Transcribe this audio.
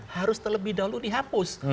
harus terlebih dahulu dihapus